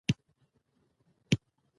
شفافه کړنلاره د باور د پیاوړتیا سبب ګرځي.